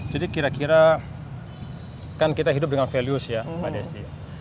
jadi kira kira kan kita hidup dengan values ya pada istri